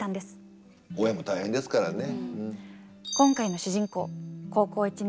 親も大変ですからね。